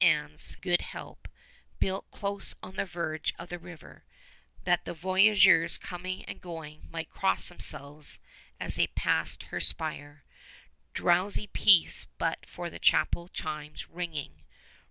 Anne's Good Help built close on the verge of the river, that the voyageurs coming and going might cross themselves as they passed her spire; drowsy peace but for the chapel chimes ringing